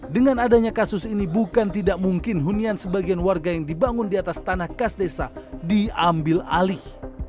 dengan adanya kasus ini bukan tidak mungkin hunian sebagian warga yang dibangun di atas tanah kas desa diambil alih